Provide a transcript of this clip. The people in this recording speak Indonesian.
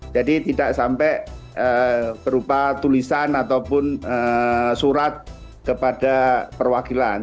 jadi tidak sampai berupa tulisan ataupun surat kepada perwakilan